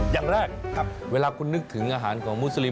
อย่างแรกเวลาคุณนึกถึงอาหารของมุสลิม